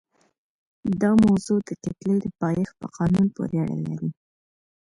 دا موضوع د کتلې د پایښت په قانون پورې اړه لري.